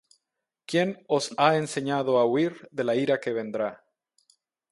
¿quién os ha enseñado á huir de la ira que vendrá?